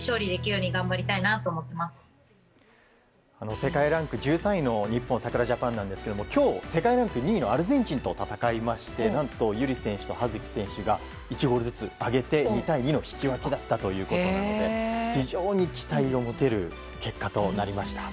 世界ランク１３位の日本さくらジャパンですが今日、世界ランク２位のアルゼンチンと戦いまして何と友理選手と葉月選手が１ゴールずつ挙げて２対２の引き分けだったということなので非常に期待を持てる結果となりました。